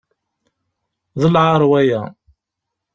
D lɛaṛ waya.